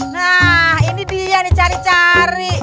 nah ini dia nih cari cari